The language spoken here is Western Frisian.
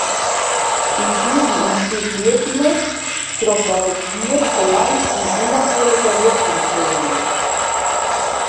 Bytiden ûntstiet hierpine trochdat it hier te lang yn in ûnnatuerlike rjochting treaun is.